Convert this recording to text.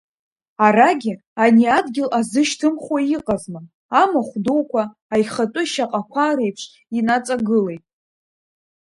Арагьы ани адгьыл азышьҭымхуа иҟазма, амахә дуқәа, аихатәы шьаҟақәа реиԥш инаҵагылеит.